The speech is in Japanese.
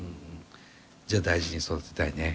じゃあ大事に育てたいね。